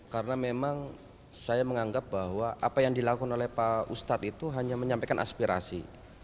karena memang saya menganggap bahwa apa yang dilakukan oleh pak ustadz itu hanya menyampaikan aspirasi